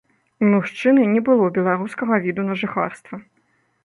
У мужчыны не было беларускага віду на жыхарства.